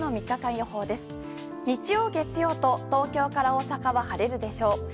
日曜、月曜と東京から大阪は晴れるでしょう。